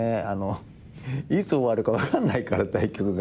いつ終わるか分かんないから対局が。